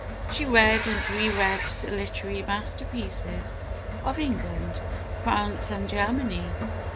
She read and re read the literary masterpieces of England, France and Germany.